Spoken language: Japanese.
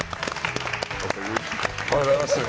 おはようございます。